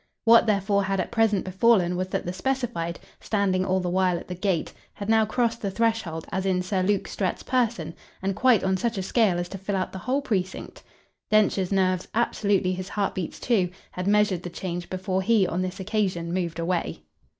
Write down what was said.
What therefore had at present befallen was that the specified, standing all the while at the gate, had now crossed the threshold as in Sir Luke Strett's person and quite on such a scale as to fill out the whole precinct. Densher's nerves, absolutely his heart beats too, had measured the change before he on this occasion moved away.